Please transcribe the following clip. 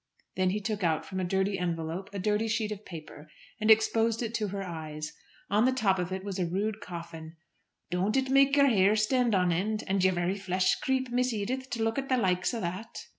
Then he took out from a dirty envelope a dirty sheet of paper, and exposed it to her eyes. On the top of it was a rude coffin. "Don't it make yer hair stand on end, and yer very flesh creep, Miss Edith, to look at the likes o' that!"